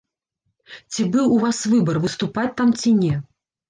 Ці быў у вас выбар, выступаць там ці не?